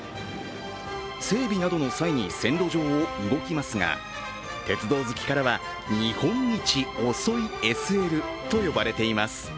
整備などの際に線路上を動きますが、鉄道好きからは日本一遅いＳＬと呼ばれています。